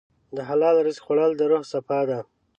د حلال رزق خوړل د روح صفا ده.